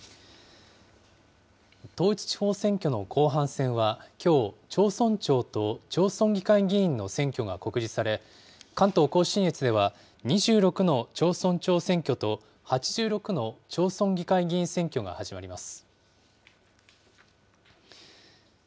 統一地方選挙の後半戦は、きょう、町村長と町村議会議員の選挙が告示され、関東甲信越では２６の町村長選挙と、８６の町村議会選挙が始まります。